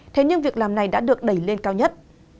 thế nhưng việc làm này đã được đẩy lên cao nhất